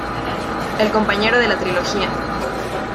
El compañero de la trilogía.